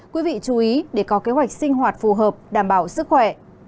quý vị chú ý để có kế hoạch sinh hoạt phù hợp đảm bảo sức khỏe